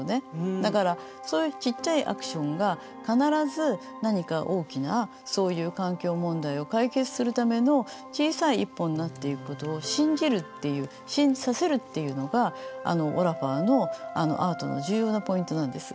だからそういうちっちゃいアクションが必ず何か大きなそういう環境問題を解決するための小さい一歩になっていくことを「信じる」っていう「信じさせる」っていうのがオラファーのあのアートの重要なポイントなんです。